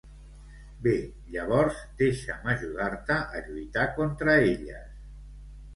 Bé, llavors deixa'm ajudar-te a lluitar contra elles.